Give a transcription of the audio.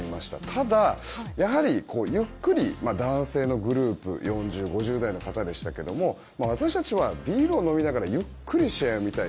ただ、ゆっくり男性のグループ４０５０代の方でしたけど私たちはビールを飲みながらゆっくり試合を見たい。